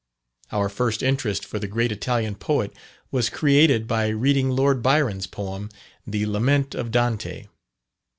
Our first interest for the great Italian poet was created by reading Lord Byron's poem, "The Lament of Dante."